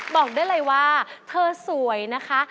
บอกได้เลยว่าเธอสวยนะคะ